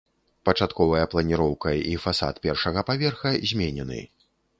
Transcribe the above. Пачатковая планіроўка і фасад першага паверха зменены.